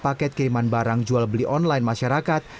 paket kiriman barang jual beli online masyarakat